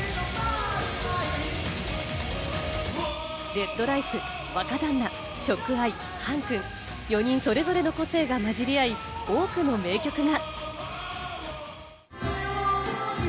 ＲＥＤＲＩＣＥ、若旦那、ＳＨＯＣＫＥＹＥ、ＨＡＮ−ＫＵＮ、４人それぞれの個性が混じり合い、多くの名曲が。